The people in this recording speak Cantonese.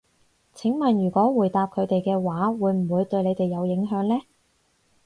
請問如果回答佢哋嘅話，會唔會對你哋有影響呢？